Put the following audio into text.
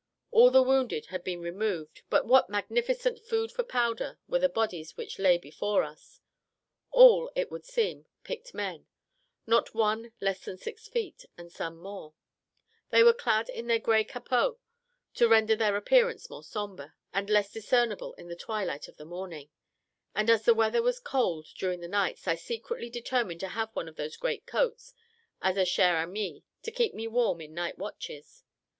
All the wounded had been removed, but what magnificent "food for powder" were the bodies which lay before us! all, it would seem, picked men; not one less than six feet, and some more: they were clad in their grey capots, to render their appearance more sombre, and less discernible in the twilight of the morning: and as the weather was cold during the nights, I secretly determined to have one of those great coats as a chère amie to keep me warm in night watches.